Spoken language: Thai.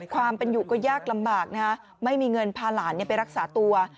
ความเป็นอยู่ก็ยากลำบากนะฮะไม่มีเงินพาหลานไปรักษาตัว